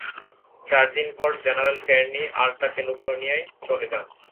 চার দিন পর জেনারেল কেরনি আল্টা ক্যালিফোর্নিয়ায় চলে যান।